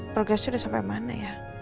progresnya udah sampai mana ya